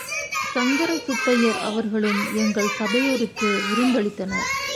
சங்கர சுப்பய்யர் அவர்களும் எங்கள் சபையோருக்கு விருந்தளித்தனர்.